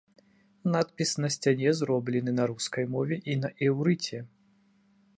Надпіс на сцяне зроблены на рускай мове і на іўрыце.